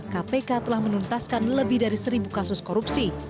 kpk telah menuntaskan lebih dari seribu kasus korupsi